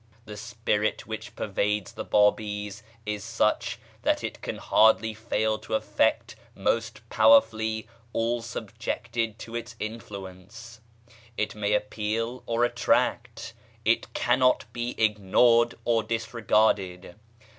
The spirit which pervades the Bábís is such that it can hardly fail to affect most powerfully all subjected to its influence. It may appal or attract: it cannot be ignored or disregarded.